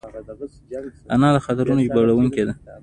انا د خاطرو ژباړونکې ده